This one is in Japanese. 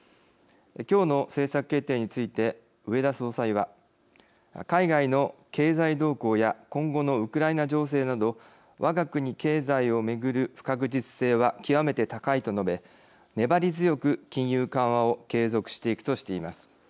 今日の政策決定について植田総裁は「海外の経済動向や今後のウクライナ情勢などわが国経済を巡る不確実性は極めて高い」と述べ粘り強く金融緩和を継続していくとしています。